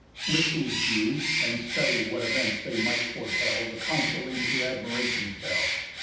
With whose view, And study what events they might foretell The Council into admiration fell.